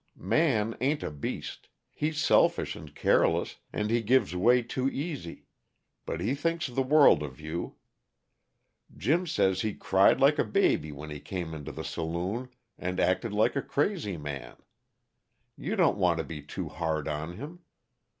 Man ain't a beast. He's selfish and careless, and he gives way too easy, but he thinks the world of you. Jim says he cried like a baby when he came into the saloon, and acted like a crazy man. You don't want to be too hard on him.